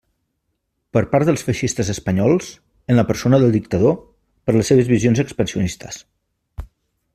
Per part dels feixistes espanyols, en la persona del dictador, per les seves visions expansionistes.